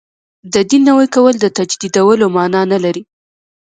د دین نوی کول د تجدیدولو معنا نه لري.